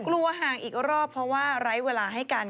กลัวห่างอีกรอบเพราะว่าไร้เวลาให้กัน